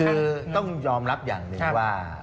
คือต้องยอมรับอย่างหนึ่งว่า